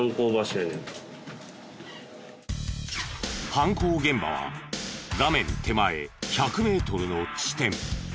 犯行現場は画面手前１００メートルの地点。